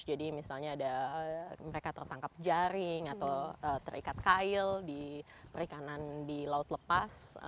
jadi misalnya ada mereka tertangkap jaring atau terikat kail di perikanan di laut lepas